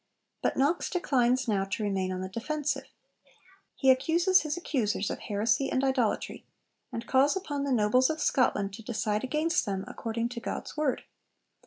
But Knox declines now to remain on the defensive. He accuses his accusers of heresy and idolatry, and calls upon the nobles of Scotland to decide against them according to God's Word.